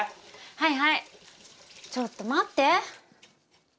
はいはいちょっと待って！